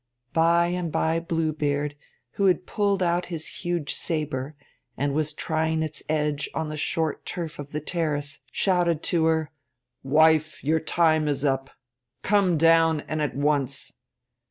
_' By and by Blue Beard, who had pulled out his huge sabre, and was trying its edge on the short turf of the terrace, shouted to her: 'Wife, your time is up. Come down, and at once!'